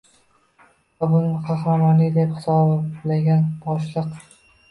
va buni «qahramonlik» deb hisoblagan boshliq...